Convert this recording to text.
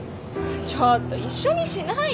ちょっと一緒にしないで。